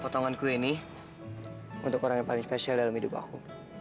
potongan kue ini untuk orang yang paling spesial dalam hidup aku